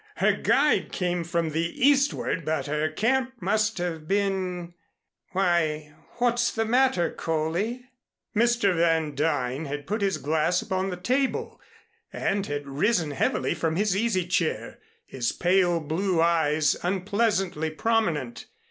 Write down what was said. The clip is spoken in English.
Her guide came from the eastward but her camp must have been why, what's the matter, Coley?" Mr. Van Duyn had put his glass upon the table and had risen heavily from his easy chair, his pale blue eyes unpleasantly prominent.